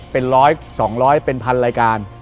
เป็นร้อยสองร้อยเป็นพันรายการ